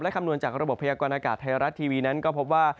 คำนวณจากระบบพยากรณากาศไทยรัฐทีวีนั้นก็พบว่า